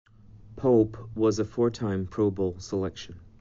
Paup was a four-time Pro Bowl selection.